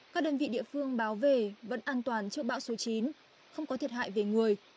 các đơn vị địa phương báo về vẫn an toàn trước bão số chín không có thiệt hại về người